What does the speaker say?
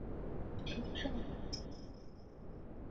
父亲为北条氏直的家臣神尾伊予守荣加。